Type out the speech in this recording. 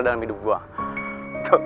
dalam hidup gue